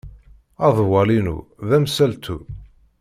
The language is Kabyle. Aḍewwal-inu d amsaltu.